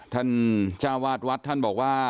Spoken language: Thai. ท่านจาวาสวัสดิ์ท่านบอกว่า